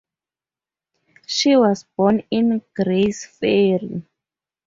She was born in Grays Ferry.